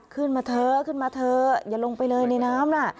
ขึ้นมาเถอะขึ้นมาเถอะอย่าลงไปเลยในน้ำน่ะ